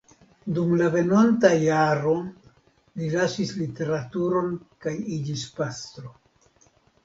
Dum la venonta jaro li lasis literaturon kaj iĝis pastro.